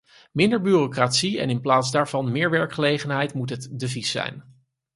Minder bureaucratie en in plaats daarvan meer werkgelegenheid moet het devies zijn.